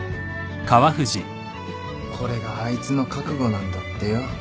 これがあいつの覚悟なんだってよ。